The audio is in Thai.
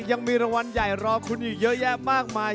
ยังมีรางวัลใหญ่รอคุณอีกเยอะแยะมากมาย